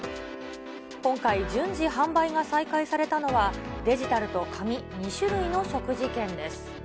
今回、順次販売が再開されたのは、デジタルと紙、２種類の食事券です。